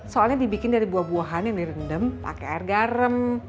soalnya dibikin dari buah buahan yang direndam pakai air garam